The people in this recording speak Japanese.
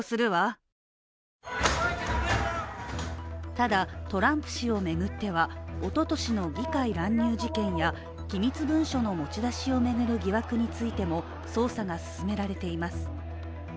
ただトランプ氏を巡ってはおととしの議会乱入事件や機密文書の持ち出しを巡る疑惑についても捜査が進められています。